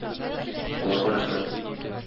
Аларга рәхмәт.